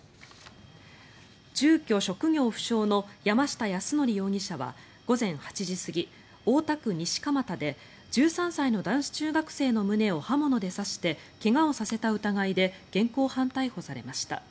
住居・職業不詳の山下泰範容疑者は午前８時過ぎ、大田区西蒲田で１３歳の男子中学生の胸を刃物で刺して怪我をさせた疑いで現行犯逮捕されました。